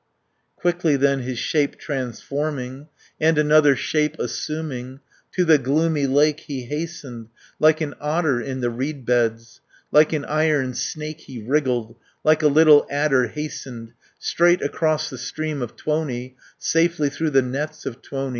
Quickly then his shape transforming, And another shape assuming, 370 To the gloomy lake he hastened; Like an otter in the reed beds, Like an iron snake he wriggled, Like a little adder hastened Straight across the stream of Tuoni, Safely through the nets of Tuoni.